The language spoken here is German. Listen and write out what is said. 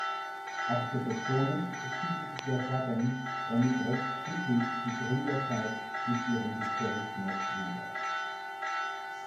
Architektonisch spiegelt der Saggen damit recht typisch die Gründerzeit mit ihrem Historismus wider.